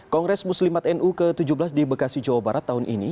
kongres muslimat nu ke tujuh belas di bekasi jawa barat tahun ini